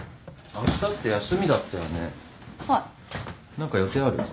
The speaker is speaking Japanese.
何か予定ある？